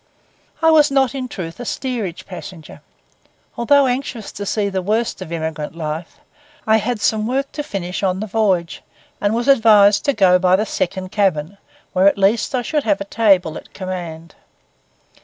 I was not, in truth, a steerage passenger. Although anxious to see the worst of emigrant life, I had some work to finish on the voyage, and was advised to go by the second cabin, where at least I should have a table at command.